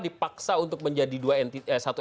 dipaksa untuk menjadi satu